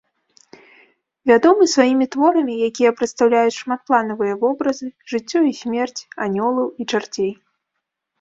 Вядомы сваімі творамі, якія прадстаўляюць шмапланавыя вобразы, жыццё і смерць, анёлаў і чарцей.